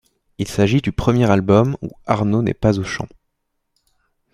Il s’agit du premier album où Arnaud n’est pas au chant.